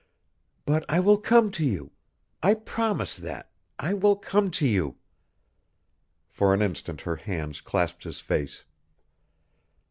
"But I will come to you. I promise that I will come to you." For an instant her hands clasped his face.